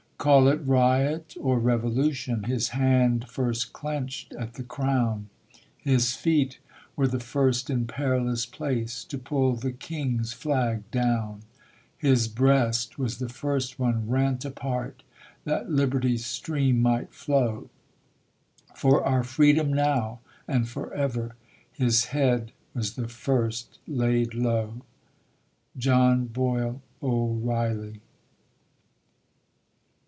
Call it riot or revolution, his hand first clenched at the crown ; His feet were the first in perilous place to pull the king's flag down; His breast was the first one rent apart that liberty's stream might flow; For our freedom now and forever, his head was the first laid low. John Boyle O'Reilly.